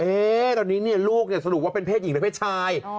เอ๊ะตอนนี้ลูกสรุปเป็นเพศหญิงหรือเป็นเพศชาย